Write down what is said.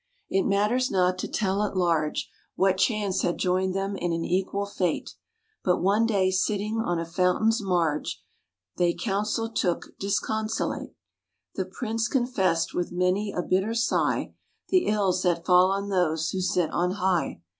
It matters not to tell at large What chance had joined them in an equal fate; But, one day, sitting on a fountain's marge, They counsel took, disconsolate. The Prince confessed, with many a bitter sigh, The ills that fall on those who sit on high.